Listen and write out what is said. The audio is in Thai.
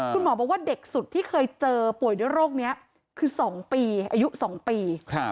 คุณหมอบอกว่าเด็กสุดที่เคยเจอป่วยด้วยโรคนี้คือ๒ปีอายุ๒ปี